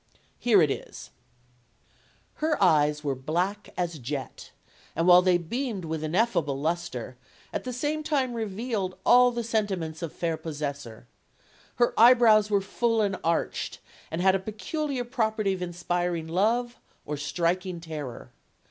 Here it is: Her eyes were black as jet, and, while they teamed with ineffable luster, at the same time revealed all the sentiments of fair possessor. Her eyebrows were full and arched, and had a peculiar property of inspiring love or striking terror.